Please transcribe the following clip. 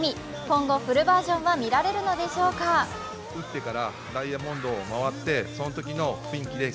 今後、フルバージョンは見られるのでしょうか。